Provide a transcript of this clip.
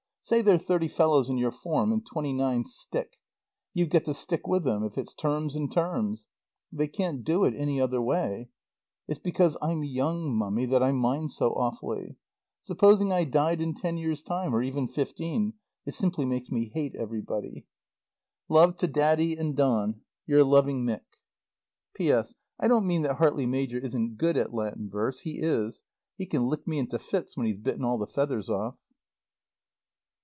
Say they're thirty fellows in your form, and twenty nine stick; you've got to stick with them, if it's terms and terms. They can't do it any other way. It's because I'm young, Mummy, that I mind so awfully. Supposing I died in ten years' time, or even fifteen? It simply makes me hate everybody. Love to Daddy and Don. Your loving MICK. P.S. I don't mean that Hartley major isn't good at Latin verse. He is. He can lick me into fits when he's bitten all the feathers off.